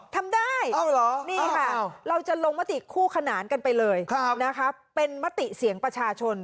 ทำได้นี่ค่ะเราจะลงมติคู่ขนานกันไปเลยนะคะเป็นมติเสียงประชาชน